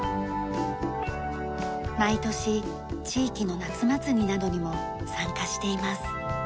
毎年地域の夏祭りなどにも参加しています。